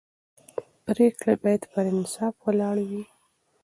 پرېکړې باید پر انصاف ولاړې وي